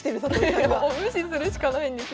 もう無視するしかないんです。